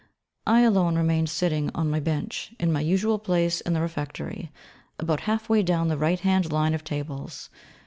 I alone remained sitting on my bench, in my usual place in the Refectory, about half way down the right hand line of tables.